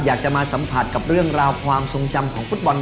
อยากจะมาสัมผัสกับเรื่องราวความทรงจำของฟุตบอล